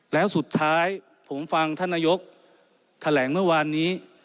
แล้วสุดท้ายผมฟังท่านนายกแถลงเมื่อวานนี้